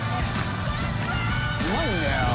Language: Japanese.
うまいんだよ・